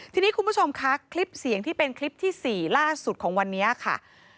ทีนี้คุณผู้ชมคะคลิปเสียงที่เป็นคลิปที่๔ล่าสุดของวันนี้ค่ะ